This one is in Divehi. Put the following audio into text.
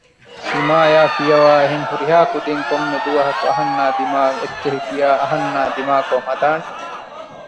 ސިމާޔާ ފިޔަވައި އެހެން ހުރިހާ ކުދިން ކޮންމެ ދުވަހަކު އަހަންނާ ދިމާއަށް އެއްޗެހި ކިޔާ އަހަންނާ ދިމާކޮށް ހަދާނެ